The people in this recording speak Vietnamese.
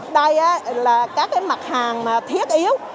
đây là các cái mặt hàng mà thiết yếu